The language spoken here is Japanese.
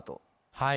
はい。